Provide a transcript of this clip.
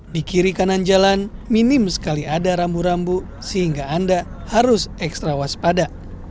di kiri kanan jalan minim sekali ada rambu rambu sehingga anda harus ekstra waspada